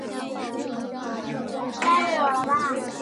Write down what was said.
圣博利兹人口变化图示